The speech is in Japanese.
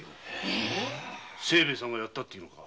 清兵衛さんがやったというのか。